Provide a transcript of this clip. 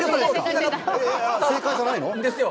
正解じゃないの？